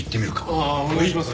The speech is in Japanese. ああお願いします。